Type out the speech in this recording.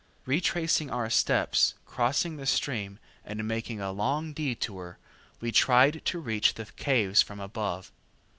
Retracing our steps, crossing the stream, and making a long detour, we tried to reach the caves from above.